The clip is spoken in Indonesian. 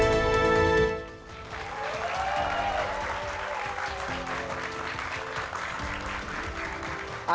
terima kasih pak